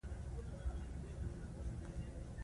پر پزه مچ نه پرېږدي